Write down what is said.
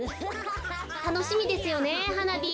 たのしみですよねはなび。